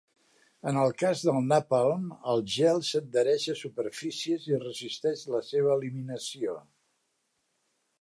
En el cas del napalm, el gel s'adhereix a superfícies i resisteix la seva eliminació.